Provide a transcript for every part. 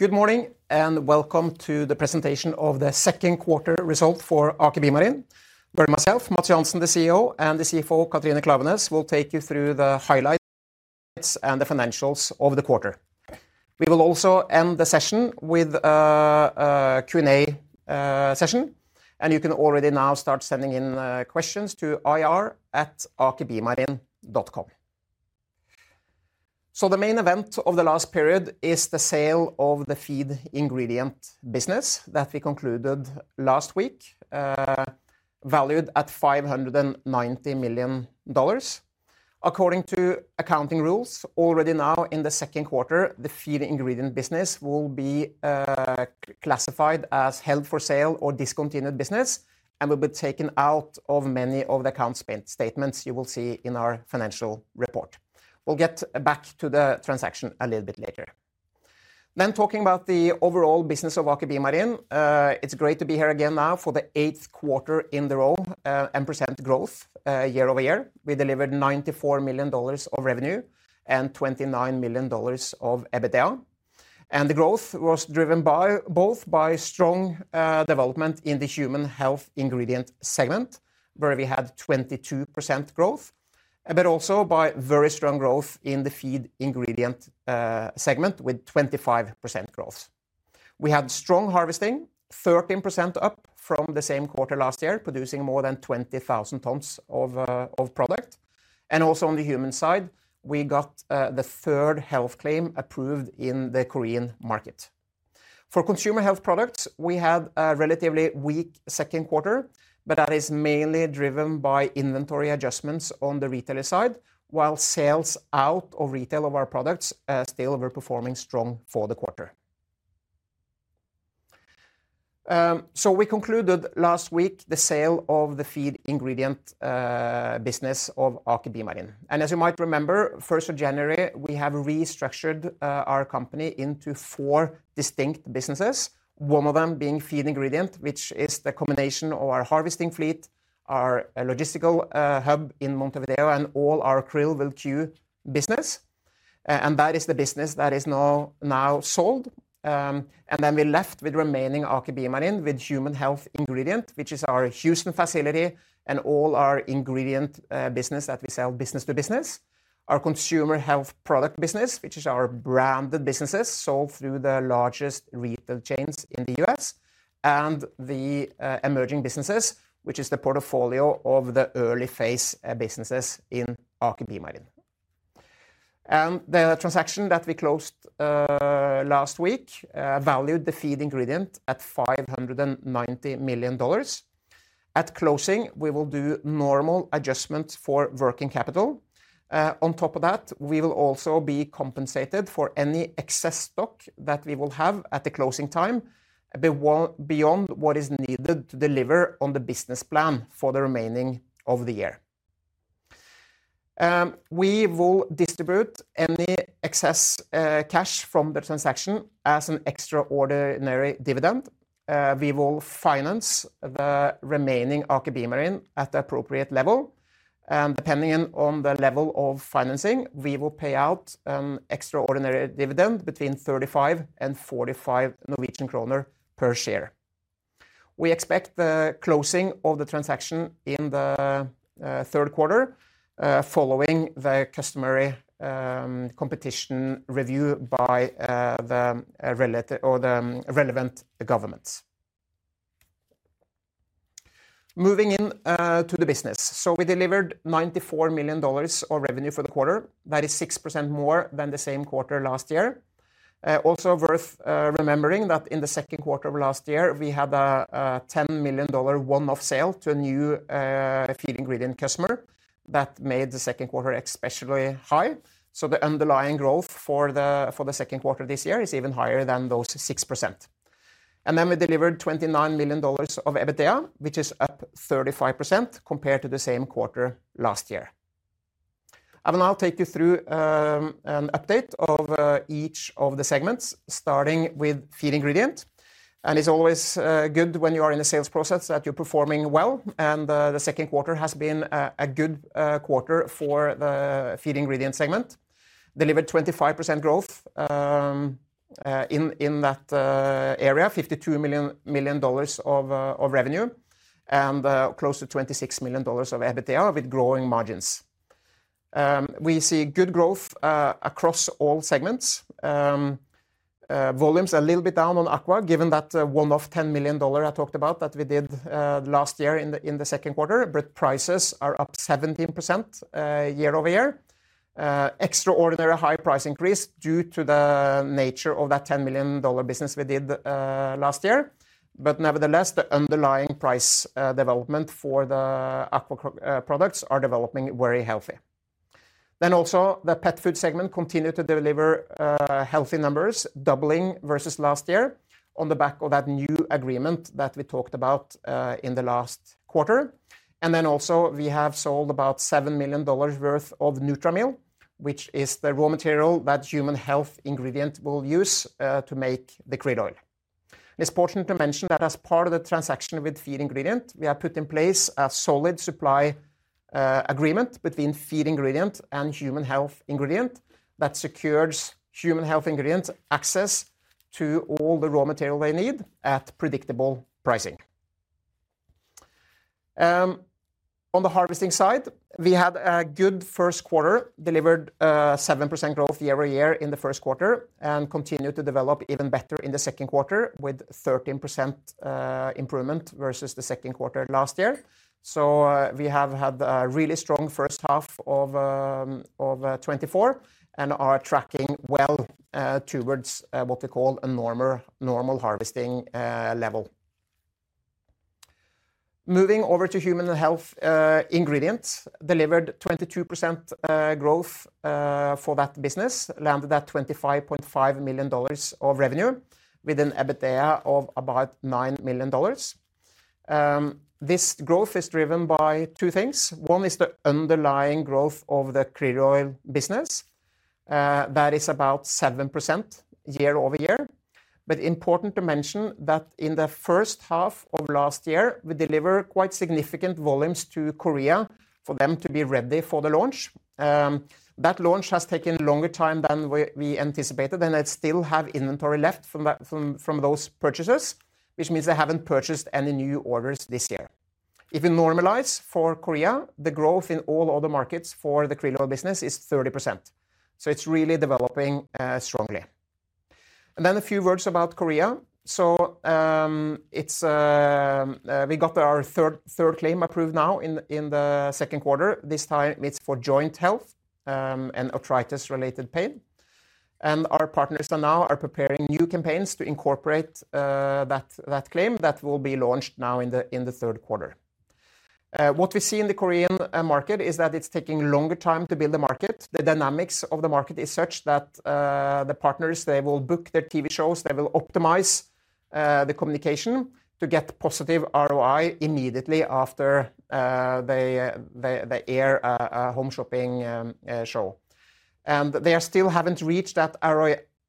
...Good morning, and welcome to the presentation of the second quarter result for Aker BioMarine, where myself, Matts Johansen, the CEO, and the CFO, Katrine Klaveness, will take you through the highlights and the financials of the quarter. We will also end the session with a Q&A session, and you can already now start sending in questions to ir@akerbiomarine.com. So the main event of the last period is the sale of the Feed Ingredient business that we concluded last week, valued at $590 million. According to accounting rules, already now in the second quarter, the Feed Ingredient business will be classified as held for sale or discontinued business and will be taken out of many of the account statement you will see in our financial report. We'll get back to the transaction a little bit later. Talking about the overall business of Aker BioMarine, it's great to be here again now for the 8th quarter in a row, and percent growth year-over-year. We delivered $94 million of revenue and $29 million of EBITDA. And the growth was driven by both by strong development in the Human Health Ingredient segment, where we had 22% growth, but also by very strong growth in the Feed Ingredient segment, with 25% growth. We had strong harvesting, 13% up from the same quarter last year, producing more than 20,000 tons of product. And also on the human side, we got the 3rd health claim approved in the Korean market. For Consumer Health Products, we had a relatively weak second quarter, but that is mainly driven by inventory adjustments on the retailer side, while sales out of retail of our products still were performing strong for the quarter. So we concluded last week the sale of the Feed Ingredient business of Aker BioMarine. And as you might remember, first of January, we have restructured our company into four distinct businesses, one of them being Feed Ingredient, which is the combination of our harvesting fleet, our logistical hub in Montevideo, and all our krill oil queue business. And that is the business that is now sold. And then we're left with remaining Aker BioMarine, with Human Health Ingredient, which is our Houston facility and all our ingredient business that we sell business to business. Our Consumer Health product business, which is our branded businesses, sold through the largest retail chains in the US, and the Emerging Businesses, which is the portfolio of the early phase businesses in Aker BioMarine. The transaction that we closed last week valued the Feed Ingredient at $590 million. At closing, we will do normal adjustments for working capital. On top of that, we will also be compensated for any excess stock that we will have at the closing time, beyond what is needed to deliver on the business plan for the remaining of the year. We will distribute any excess cash from the transaction as an extraordinary dividend. We will finance the remaining Aker BioMarine at the appropriate level, and depending on the level of financing, we will pay out an extraordinary dividend between 35 and 45 Norwegian kroner per share. We expect the closing of the transaction in the third quarter, following the customary competition review by the relative or the relevant governments. Moving in to the business. So we delivered $94 million of revenue for the quarter. That is 6% more than the same quarter last year. Also worth remembering that in the second quarter of last year, we had a $10 million one-off sale to a new Feed Ingredient customer. That made the second quarter especially high, so the underlying growth for the second quarter this year is even higher than those 6%. Then we delivered $29 million of EBITDA, which is up 35% compared to the same quarter last year. I will now take you through an update of each of the segments, starting with Feed Ingredient. It's always good when you are in a sales process that you're performing well, and the second quarter has been a good quarter for the Feed Ingredient segment. Delivered 25% growth in that area, $52 million of revenue, and close to $26 million of EBITDA, with growing margins. We see good growth across all segments. Volumes a little bit down on Aqua, given that one-off $10 million I talked about that we did last year in the second quarter, but prices are up 17%, year-over-year. Extraordinary high price increase due to the nature of that $10 million business we did last year. But nevertheless, the underlying price development for the Aqua products are developing very healthy. Then also, the Pet Food segment continued to deliver healthy numbers, doubling versus last year on the back of that new agreement that we talked about in the last quarter. And then also, we have sold about $7 million worth of NutraMil, which is the raw material that Human Health Ingredient will use to make the krill oil. It's important to mention that as part of the transaction with Feed Ingredient, we have put in place a solid supply agreement between Feed Ingredient and Human Health Ingredient that secures Human Health Ingredient's access to all the raw material they need at predictable pricing. On the harvesting side, we had a good first quarter, delivered 7% growth year-over-year in the first quarter, and continued to develop even better in the second quarter, with 13% improvement versus the second quarter last year. So, we have had a really strong first half of 2024 and are tracking well towards what we call a normal harvesting level. Moving over to Human Health Ingredient, delivered 22% growth for that business, landed that $25.5 million of revenue with an EBITDA of about $9 million. This growth is driven by two things. One is the underlying growth of the krill oil business. That is about 7% year-over-year. But important to mention that in the first half of last year, we delivered quite significant volumes to Korea for them to be ready for the launch. That launch has taken longer time than we anticipated, and they still have inventory left from those purchases, which means they haven't purchased any new orders this year. If we normalize for Korea, the growth in all other markets for the krill oil business is 30%. So it's really developing strongly. Then a few words about Korea. So, it's we got our third claim approved now in the second quarter. This time it's for joint health and arthritis-related pain. Our partners are now preparing new campaigns to incorporate that claim that will be launched now in the third quarter. What we see in the Korean market is that it's taking longer time to build the market. The dynamics of the market is such that the partners they will book their TV shows, they will optimize the communication to get positive ROI immediately after they air a home shopping show. And they are still haven't reached that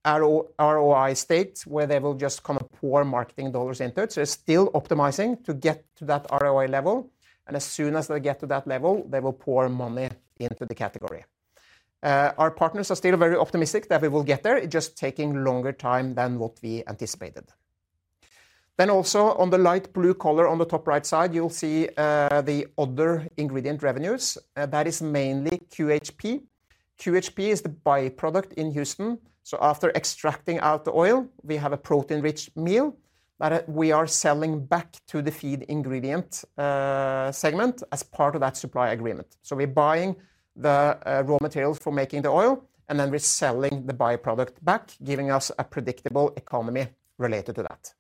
ROI state, where they will just kind of pour marketing dollars into it. So they're still optimizing to get to that ROI level, and as soon as they get to that level, they will pour money into the category. Our partners are still very optimistic that we will get there. It's just taking longer time than what we anticipated. Then also, on the light blue color on the top-right side, you'll see the other ingredient revenues, and that is mainly QHP. QHP is the by-product in Houston. So after extracting out the oil, we have a protein-rich meal that we are selling back to the Feed Ingredient segment as part of that supply agreement. So we're buying the raw materials for making the oil, and then we're selling the by-product back, giving us a predictable economy related to that.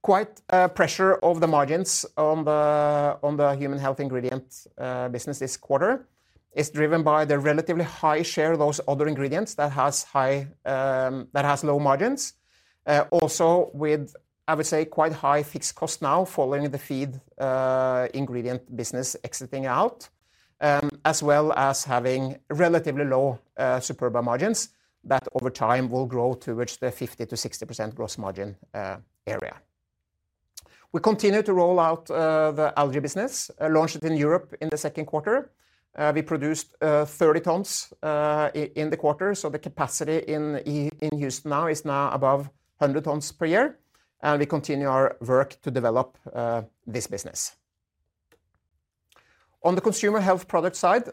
Quite pressure of the margins on the Human Health Ingredient business this quarter. It's driven by the relatively high share of those other ingredients that has high, that has low margins. Also with, I would say, quite high fixed cost now, following the Feed Ingredient business exiting out, as well as having relatively low Superba margins, that over time will grow towards the 50%-60% gross margin area. We continue to roll out the algae business, launched it in Europe in the second quarter. We produced 30 tons in the quarter, so the capacity in Houston now is above 100 tons per year, and we continue our work to develop this business. On the Consumer Health product side,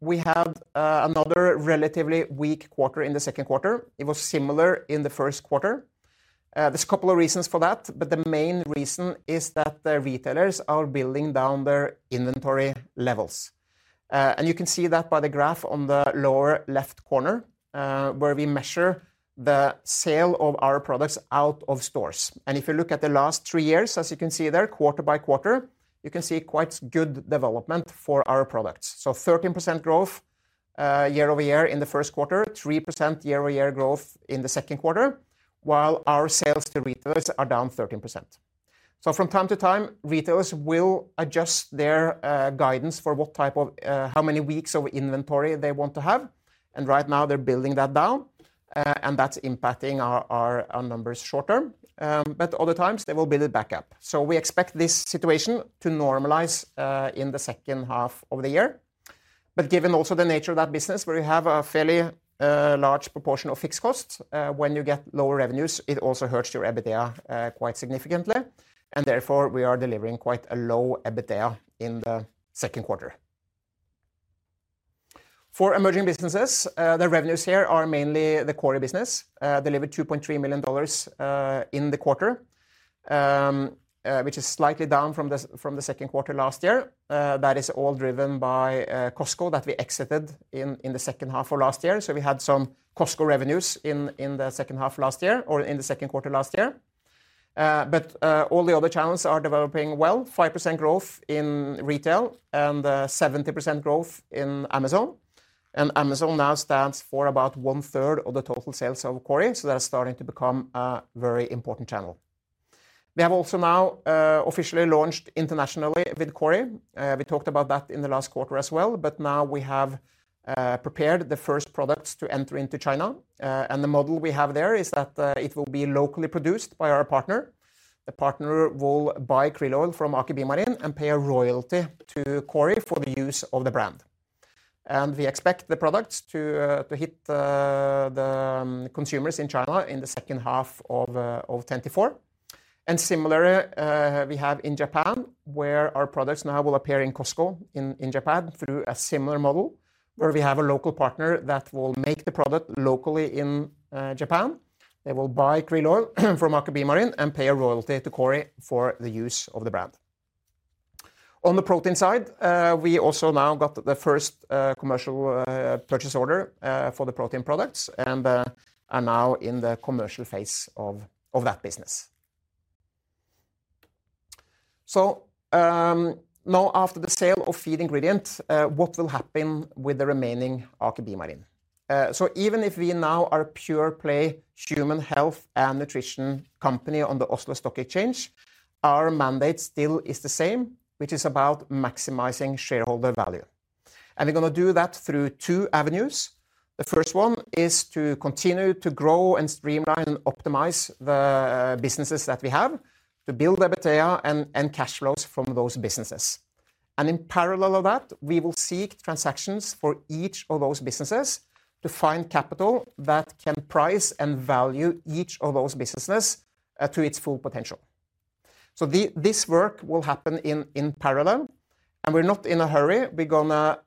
we had another relatively weak quarter in the second quarter. It was similar in the first quarter. There's a couple of reasons for that, but the main reason is that the retailers are building down their inventory levels. You can see that by the graph on the lower left corner, where we measure the sale of our products out of stores. If you look at the last three years, as you can see there, quarter by quarter, you can see quite good development for our products. 13% growth year-over-year in the first quarter, 3% year-over-year growth in the second quarter, while our sales to retailers are down 13%. From time to time, retailers will adjust their guidance for what type of how many weeks of inventory they want to have, and right now they're building that down, and that's impacting our numbers short term. But other times, they will build it back up. So we expect this situation to normalize in the second half of the year. But given also the nature of that business, where you have a fairly large proportion of fixed costs, when you get lower revenues, it also hurts your EBITDA quite significantly, and therefore, we are delivering quite a low EBITDA in the second quarter. For emerging businesses, the revenues here are mainly the Kori business delivered $2.3 million in the quarter, which is slightly down from the second quarter last year. That is all driven by Costco, that we exited in the second half last year or in the second quarter last year. But all the other channels are developing well. 5% growth in retail and 70% growth in Amazon. And Amazon now stands for about one-third of the total sales of Kori, so that's starting to become a very important channel... We have also now officially launched internationally with Kori. We talked about that in the last quarter as well, but now we have prepared the first products to enter into China. And the model we have there is that it will be locally produced by our partner. The partner will buy krill oil from Aker BioMarine and pay a royalty to Kori for the use of the brand. And we expect the products to hit the consumers in China in the second half of 2024. And similarly, we have in Japan, where our products now will appear in Costco in Japan, through a similar model, where we have a local partner that will make the product locally in Japan. They will buy krill oil from Aker BioMarine and pay a royalty to Kori for the use of the brand. On the protein side, we also now got the first commercial purchase order for the protein products and are now in the commercial phase of that business. So, now, after the sale of Feed Ingredient, what will happen with the remaining Aker BioMarine? So even if we now are pure-play human health and nutrition company on the Oslo Stock Exchange, our mandate still is the same, which is about maximizing shareholder value. And we're gonna do that through two avenues. The first one is to continue to grow and streamline and optimize the businesses that we have, to build EBITDA and cash flows from those businesses. And in parallel of that, we will seek transactions for each of those businesses to find capital that can price and value each of those businesses to its full potential. So this work will happen in parallel, and we're not in a hurry. We're gonna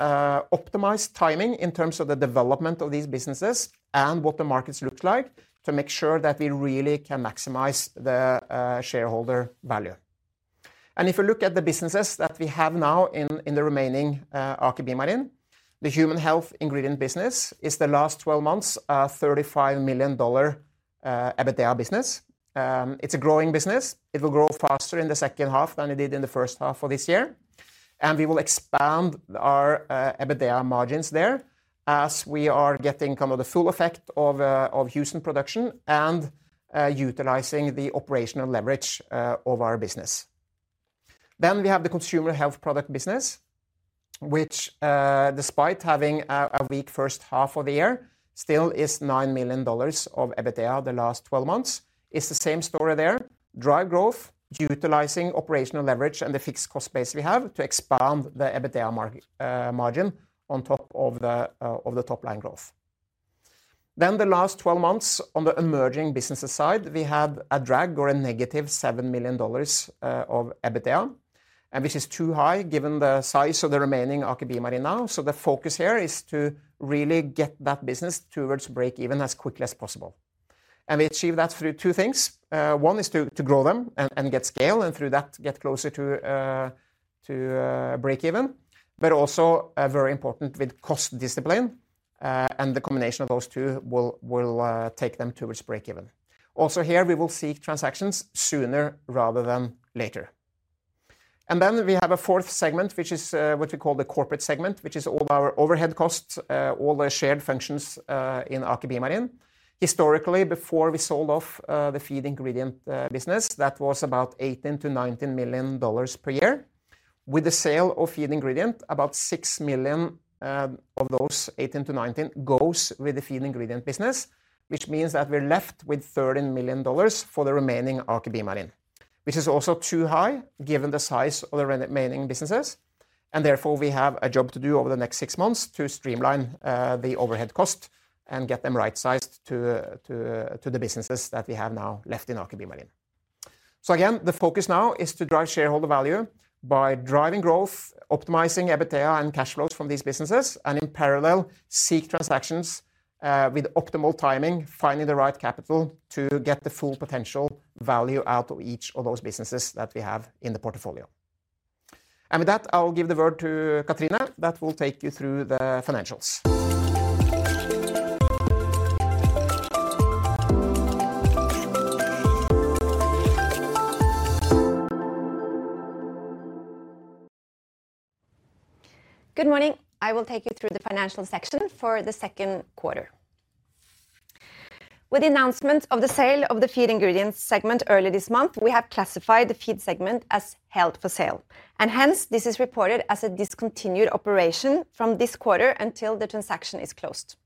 optimize timing in terms of the development of these businesses and what the markets look like, to make sure that we really can maximize the shareholder value. And if you look at the businesses that we have now in the remaining Aker BioMarine, the Human Health Ingredient business is the last 12 months, a $35 million EBITDA business. It's a growing business. It will grow faster in the second half than it did in the first half of this year, and we will expand our EBITDA margins there, as we are getting kind of the full effect of Houston production and utilizing the operational leverage of our business. Then we have the consumer health product business, which despite having a weak first half of the year, still is $9 million of EBITDA the last 12 months. It's the same story there. Drive growth, utilizing operational leverage and the fixed cost base we have to expand the EBITDA margin on top of the top-line growth. Then the last 12 months, on the Emerging Businesses side, we had a drag or a negative $7 million of EBITDA, and which is too high, given the size of the remaining Aker BioMarine now. So the focus here is to really get that business towards break-even as quickly as possible. And we achieve that through two things: one is to grow them and get scale, and through that, get closer to break-even. But also, very important with cost discipline, and the combination of those two will take them towards break-even. Also here, we will seek transactions sooner rather than later. And then we have a fourth segment, which is what we call the Corporate segment, which is all our overhead costs, all the shared functions, in Aker BioMarine. Historically, before we sold off the Feed Ingredient business, that was about $18 million-$19 million per year. With the sale of Feed Ingredient, about $6 million of those 18-19 goes with the Feed Ingredient business, which means that we're left with $13 million for the remaining Aker BioMarine, which is also too high, given the size of the remaining businesses. Therefore, we have a job to do over the next 6 months to streamline the overhead cost and get them right-sized to the businesses that we have now left in Aker BioMarine. So again, the focus now is to drive shareholder value by driving growth, optimizing EBITDA and cash flows from these businesses, and in parallel, seek transactions with optimal timing, finding the right capital to get the full potential value out of each of those businesses that we have in the portfolio. And with that, I will give the word to Katrine that will take you through the financials. Good morning. I will take you through the financial section for the second quarter. With the announcement of the sale of the Feed Ingredients segment earlier this month, we have classified the Feed segment as held for sale, and hence, this is reported as a discontinued operation from this quarter until the transaction is closed.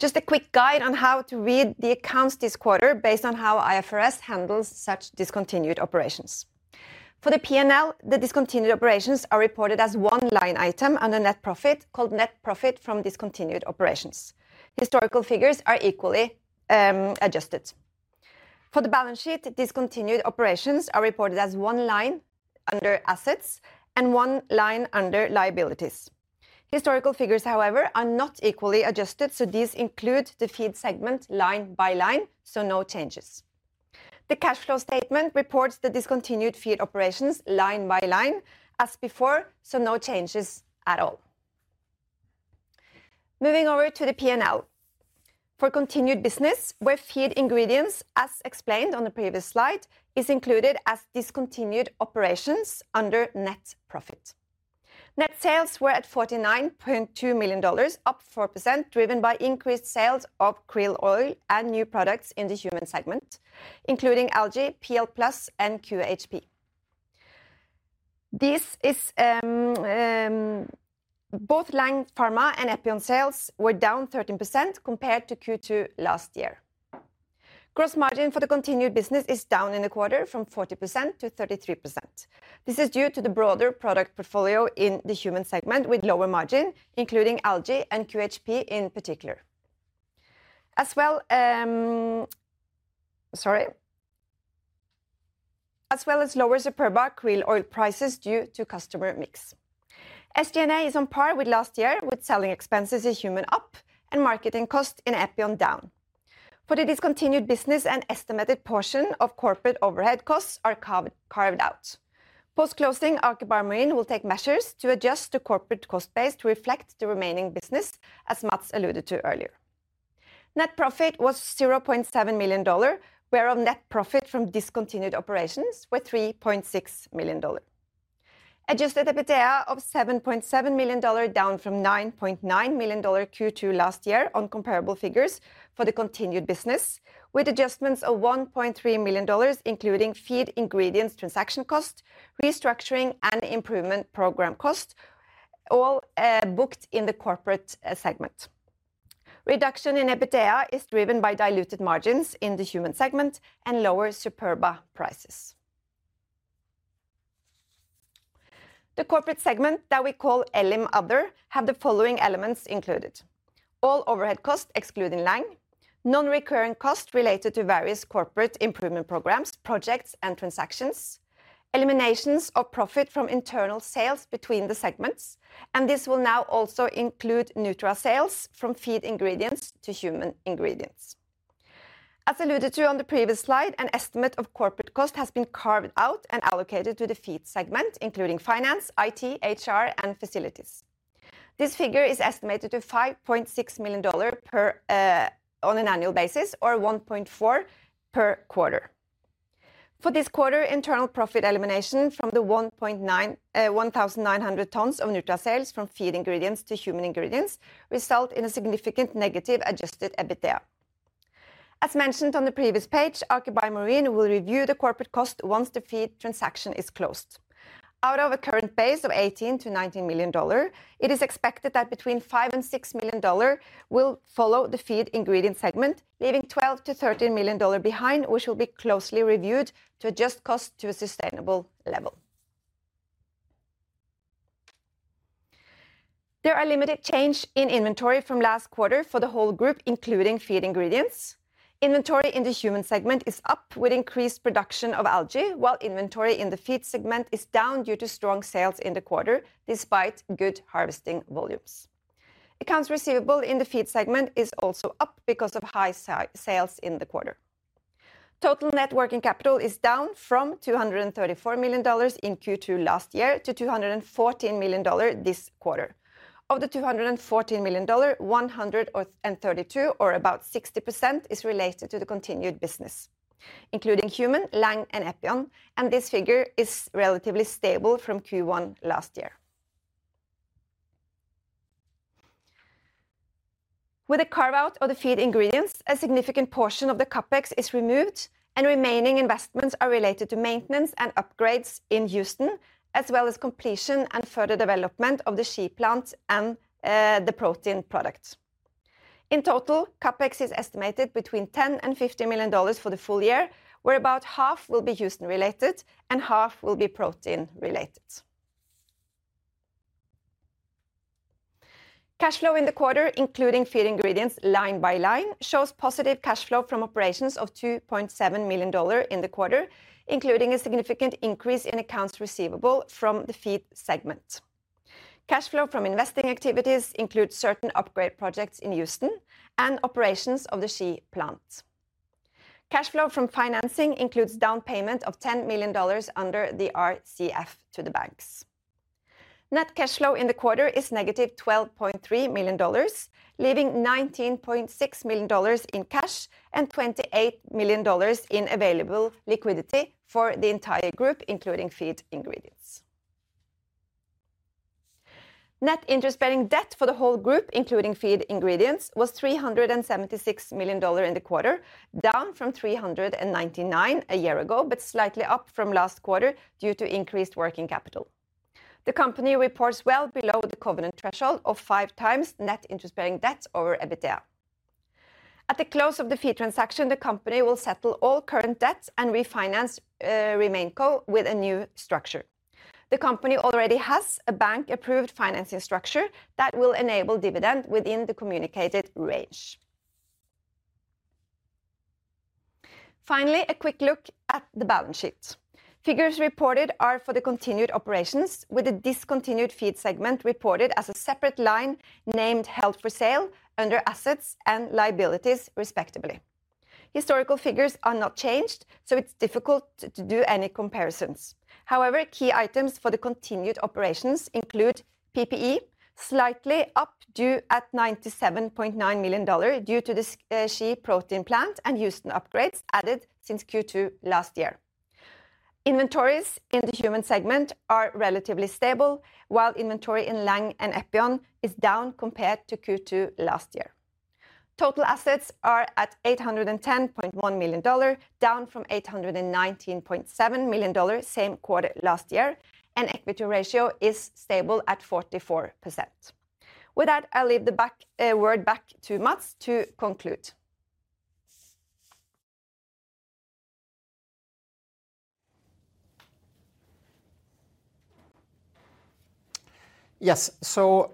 Just a quick guide on how to read the accounts this quarter, based on how IFRS handles such discontinued operations. For the P&L, the discontinued operations are reported as one line item under net profit, called Net Profit from Discontinued Operations. Historical figures are equally adjusted. For the balance sheet, discontinued operations are reported as one line under assets and one line under liabilities. Historical figures, however, are not equally adjusted, so these include the Feed segment line by line, so no changes. The cash flow statement reports the discontinued feed operations line by line as before, so no changes at all. Moving over to the P&L. For continued business, where Feed Ingredients, as explained on the previous slide, is included as discontinued operations under net profit. Net sales were at $49.2 million, up 4%, driven by increased sales of krill oil and new products in the human segment, including Algae, PL+, and QHP. This is both Lang Pharma and Epion sales were down 13% compared to Q2 last year. Gross margin for the continued business is down in the quarter from 40% to 33%. This is due to the broader product portfolio in the human segment, with lower margin, including algae and QHP in particular. As well as lower Superba Krill Oil prices due to customer mix. SG&A is on par with last year, with selling expenses in human up and marketing costs in Epion down. For the discontinued business, an estimated portion of corporate overhead costs are carved out. Post-closing, Aker BioMarine will take measures to adjust the corporate cost base to reflect the remaining business, as Matts alluded to earlier. Net profit was $0.7 million, whereof net profit from discontinued operations were $3.6 million. Adjusted EBITDA of $7.7 million, down from $9.9 million Q2 last year on comparable figures for the continued business, with adjustments of $1.3 million, including Feed Ingredients transaction cost, restructuring, and improvement program cost, all booked in the corporate segment. Reduction in EBITDA is driven by diluted margins in the human segment and lower Superba prices. The corporate segment that we call Elim Other have the following elements included: all overhead costs excluding Lang, non-recurring costs related to various corporate improvement programs, projects, and transactions, eliminations of profit from internal sales between the segments, and this will now also include Nutra sales from Feed Ingredients to Human Ingredients. As alluded to on the previous slide, an estimate of corporate cost has been carved out and allocated to the Feed segment, including finance, IT, HR, and facilities. This figure is estimated to $5.6 million per on an annual basis, or $1.4 million per quarter. For this quarter, internal profit elimination from the 1,900 tons of Nutra sales from Feed Ingredients to Human Ingredients result in a significant negative adjusted EBITDA. As mentioned on the previous page, Aker BioMarine will review the corporate cost once the Feed transaction is closed. Out of a current base of $18-$19 million, it is expected that between $5 million and $6 million will follow the Feed Ingredient segment, leaving $12-$13 million behind, which will be closely reviewed to adjust cost to a sustainable level. There are limited change in inventory from last quarter for the whole group, including Feed Ingredients. Inventory in the Human segment is up with increased production of algae, while inventory in the Feed segment is down due to strong sales in the quarter, despite good harvesting volumes. Accounts receivable in the Feed segment is also up because of high sales in the quarter. Total net working capital is down from $234 million in Q2 last year to $214 million this quarter. Of the $214 million, 132, or about 60%, is related to the continued business, including Human, Lang, and Epion, and this figure is relatively stable from Q1 last year. With the carve-out of the Feed Ingredients, a significant portion of the CapEx is removed, and remaining investments are related to maintenance and upgrades in Houston, as well as completion and further development of the SHEI plant and the protein products. In total, CapEx is estimated between $10-$15 million for the full year, where about half will be Houston-related and half will be protein-related. Cash flow in the quarter, including Feed Ingredients line by line, shows positive cash flow from operations of $2.7 million in the quarter, including a significant increase in accounts receivable from the Feed segment. Cash flow from investing activities includes certain upgrade projects in Houston and operations of the SHEI plant. Cash flow from financing includes down payment of $10 million under the RCF to the banks. Net cash flow in the quarter is -$12.3 million, leaving $19.6 million in cash and $28 million in available liquidity for the entire group, including Feed Ingredients. Net interest-bearing debt for the whole group, including Feed Ingredients, was $376 million in the quarter, down from $399 million a year ago, but slightly up from last quarter due to increased working capital. The company reports well below the covenant threshold of 5x net interest-bearing debt over EBITDA. At the close of the Feed transaction, the company will settle all current debts and refinance RemainCo with a new structure. The company already has a bank-approved financing structure that will enable dividend within the communicated range. Finally, a quick look at the balance sheet. Figures reported are for the continued operations, with the discontinued Feed segment reported as a separate line, named Held for Sale under Assets and Liabilities, respectively. Historical figures are not changed, so it's difficult to do any comparisons. However, key items for the continued operations include PPE, slightly up due at $97.9 million due to the SHEI protein plant and Houston upgrades added since Q2 last year. Inventories in the human segment are relatively stable, while inventory in Lang and Epion is down compared to Q2 last year. Total assets are at $810.1 million, down from $819.7 million same quarter last year, and equity ratio is stable at 44%. With that, I'll leave the back, word back to Matts to conclude. Yes. So,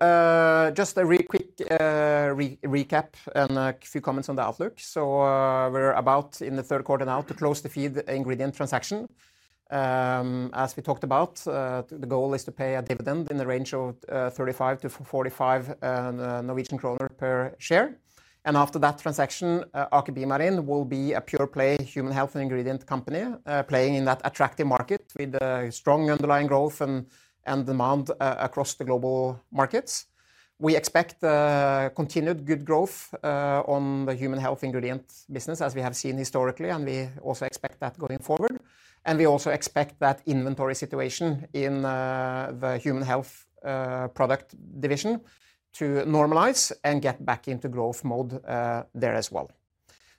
just a real quick recap and a few comments on the outlook. So, we're about in the third quarter now to close the Feed Ingredient transaction. As we talked about, the goal is to pay a dividend in the range of 35-45 Norwegian kroner per share. And after that transaction, Aker BioMarine will be a pure-play human health and ingredient company, playing in that attractive market with a strong underlying growth and demand across the global markets. We expect continued good growth on the human health ingredient business, as we have seen historically, and we also expect that going forward. And we also expect that inventory situation in the human health product division to normalize and get back into growth mode there as well.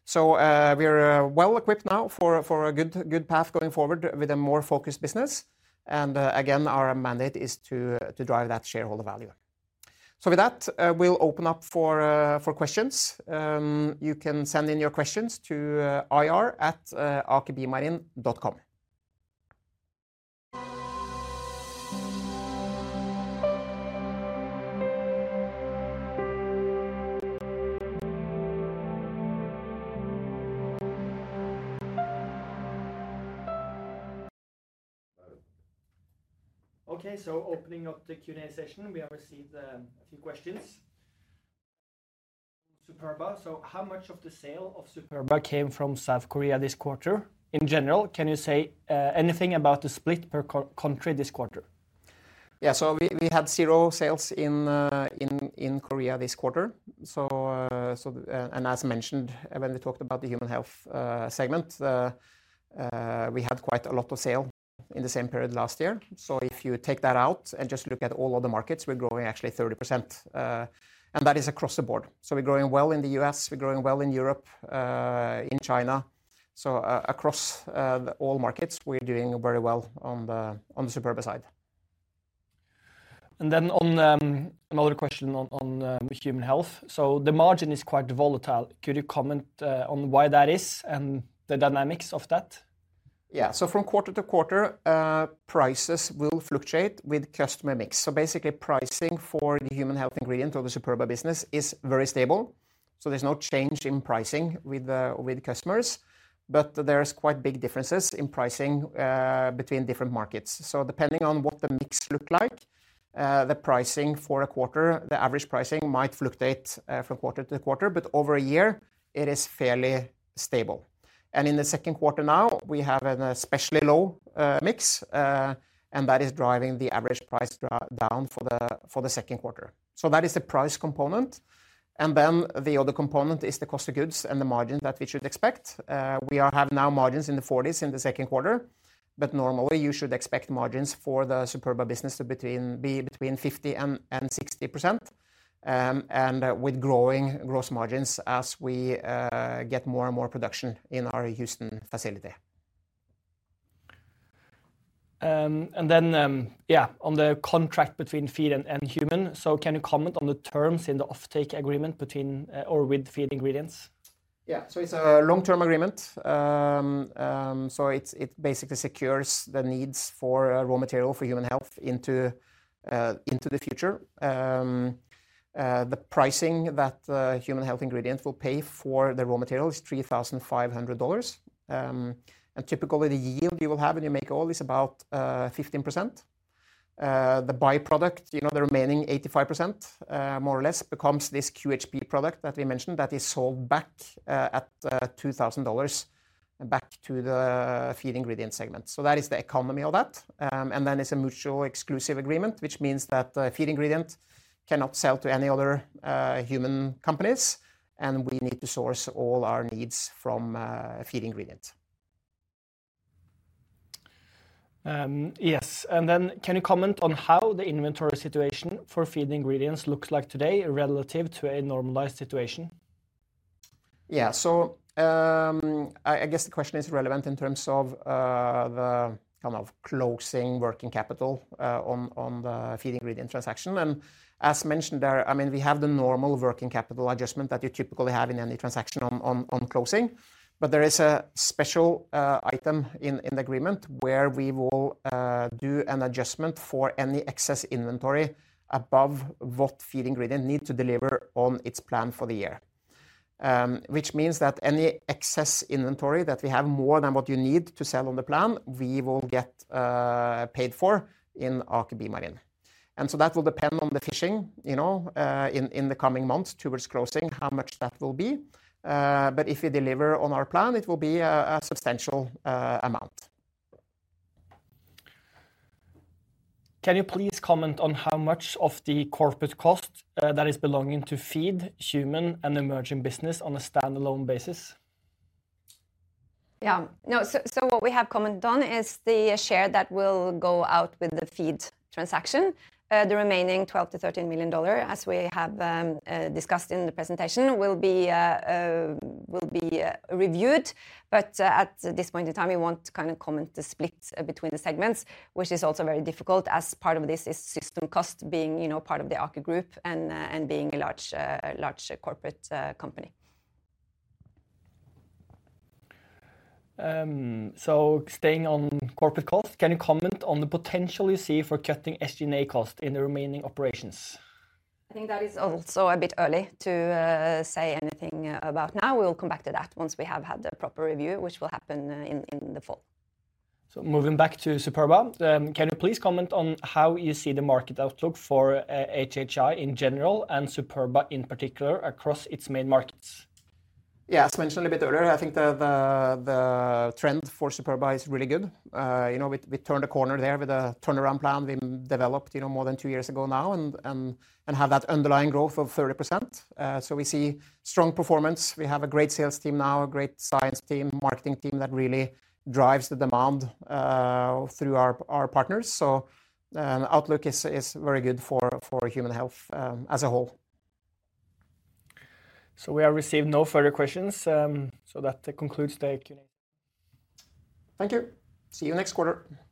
So, we are well-equipped now for a good path going forward with a more focused business. And, again, our mandate is to drive that shareholder value. So with that, we'll open up for questions. You can send in your questions to ir@akerbiomarine.com. Okay, so opening up the Q&A session, we have received a few questions. Superba, so how much of the sale of Superba came from South Korea this quarter? In general, can you say anything about the split per country this quarter? Yeah. So we had zero sales in Korea this quarter. So, and as mentioned, when we talked about the human health segment, we had quite a lot of sale in the same period last year. So if you take that out and just look at all other markets, we're growing actually 30%, and that is across the board. So we're growing well in the US, we're growing well in Europe, in China. So across all markets, we're doing very well on the Superba side. And then another question on human health. So the margin is quite volatile. Could you comment on why that is and the dynamics of that? Yeah. So from quarter to quarter, prices will fluctuate with customer mix. So basically, pricing for the human health ingredient or the Superba business is very stable, so there's no change in pricing with, with customers. But there is quite big differences in pricing between different markets. So depending on what the mix look like, the pricing for a quarter, the average pricing might fluctuate from quarter to quarter, but over a year, it is fairly stable. And in the second quarter now, we have an especially low mix, and that is driving the average price down for the second quarter. So that is the price component, and then the other component is the cost of goods and the margin that we should expect. We have now margins in the 40s in the second quarter, but normally you should expect margins for the Superba business to be between 50% and 60%, and with growing gross margins as we get more and more production in our Houston facility. Then, yeah, on the contract between Feed and Human, so can you comment on the terms in the offtake agreement between or with Feed Ingredients? Yeah. So it's a long-term agreement. So it's, it basically secures the needs for raw material for human health into, into the future. The pricing that, human health ingredient will pay for the raw material is $3,500. And typically, the yield you will have when you make oil is about, 15%. The by-product, you know, the remaining 85%, more or less, becomes this QHP product that we mentioned, that is sold back, at, $2,000 back to the Feed Ingredient segment. So that is the economy of that. And then it's a mutually exclusive agreement, which means that the Feed Ingredient cannot sell to any other, human companies, and we need to source all our needs from, Feed Ingredient. Yes. And then can you comment on how the inventory situation for Feed Ingredients looks like today relative to a normalized situation? Yeah. So, I guess the question is relevant in terms of the kind of closing working capital on the Feed Ingredient transaction. And as mentioned there, I mean, we have the normal working capital adjustment that you typically have in any transaction on closing. But there is a special item in the agreement where we will do an adjustment for any excess inventory above what Feed Ingredient need to deliver on its plan for the year. Which means that any excess inventory that we have more than what you need to sell on the plan, we will get paid for in Aker BioMarine. And so that will depend on the fishing, you know, in the coming months towards closing, how much that will be. But if we deliver on our plan, it will be a substantial amount. Can you please comment on how much of the corporate cost, that is belonging to Feed, Human, and emerging business on a standalone basis? Yeah. No, so, so what we have commented on is the share that will go out with the Feed transaction. The remaining $12-$13 million, as we have discussed in the presentation, will be reviewed. But, at this point in time, we want to kind of comment the split between the segments, which is also very difficult, as part of this is system cost being, you know, part of the Aker Group and, and being a large, a large corporate company. So, staying on corporate cost, can you comment on the potential you see for cutting SG&A cost in the remaining operations? I think that is also a bit early to say anything about now. We will come back to that once we have had the proper review, which will happen in the fall. So moving back to Superba, can you please comment on how you see the market outlook for HHI in general and Superba in particular across its main markets? Yeah, as mentioned a little bit earlier, I think the trend for Superba is really good. You know, we turned a corner there with a turnaround plan we developed, you know, more than two years ago now, and have that underlying growth of 30%. So we see strong performance. We have a great sales team now, a great science team, marketing team that really drives the demand through our partners. So, outlook is very good for human health as a whole. We have received no further questions. That concludes the Q&A. Thank you. See you next quarter. Bye.